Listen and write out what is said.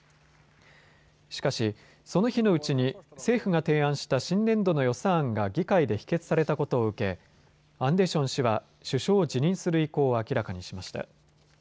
しかし、その日のうちに政府が提案した新年度の予算案が議会で否決されたことを受けアンデション氏は首相を辞任する意向を明らかにしました。